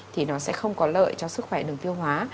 thì nó sẽ không có lợi cho sức khỏe đường tiêu hóa